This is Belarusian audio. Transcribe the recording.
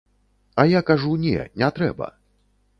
А я кажу не, не трэба.